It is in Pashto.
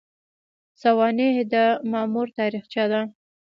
سوانح د مامور تاریخچه ده